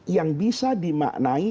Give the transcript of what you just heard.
yang bisa dimaknai